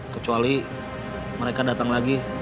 kecuali mereka datang lagi